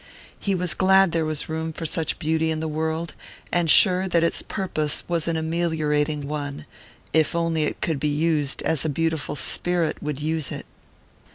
He was glad there was room for such beauty in the world, and sure that its purpose was an ameliorating one, if only it could be used as a beautiful spirit would use it.